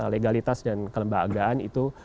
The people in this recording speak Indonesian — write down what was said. legalitas dan kelembagaan itu